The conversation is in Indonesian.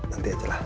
nanti aja lah